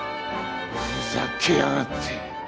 ふざけやがって。